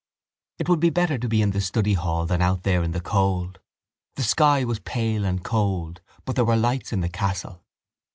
It would be better to be in the study hall than out there in the cold. The sky was pale and cold but there were lights in the castle.